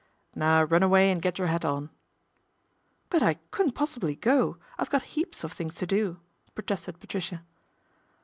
" Now run away and get your hat on." " But I couldn't possibly go, I've got heaps o! things to do," protested Patricia.